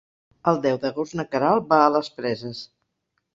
El deu d'agost na Queralt va a les Preses.